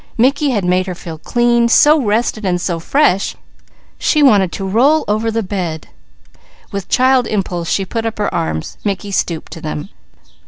Mickey had made her feel clean, so rested, and so fresh she wanted to roll over the bed. With child impulse she put up her arms. Mickey stooped to them.